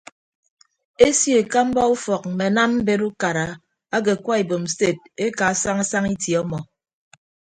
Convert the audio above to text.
Esio ekamba ufọk mme anam mbet ukara ake akwa ibom sted ekaa saña saña itie ọmọ.